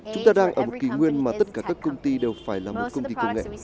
chúng ta đang ở một kỷ nguyên mà tất cả các công ty đều phải là một công ty công nghệ